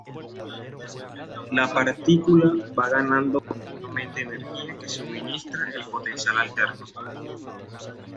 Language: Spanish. La partícula va ganando continuamente energía que suministra el potencial alterno.